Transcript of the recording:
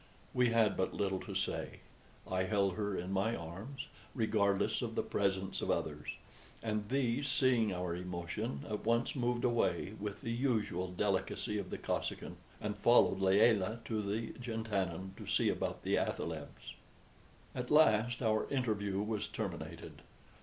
We had but little to say. I held her in my arms, regardless of the presence of others; and these, seeing our emotion, at once moved away, with the usual delicacy of the Kosekin, and followed Layelah to the jantannin to see about the athalebs. At last our interview was terminated.